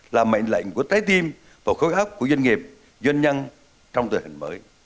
là mệnh lệnh của trái tim và khối hóc của doanh nghiệp doanh nhân trong thời hình mới